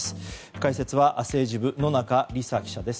解説は政治部野中里沙記者です。